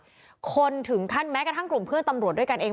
คนถึงขั้นแม้กระทั่งกลุ่มเพื่อนตำรวจด้วยกันเอง